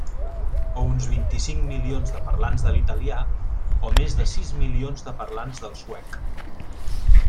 O uns vint-i-cinc milions de parlants de l'italià, o més de sis milions de parlants del suec.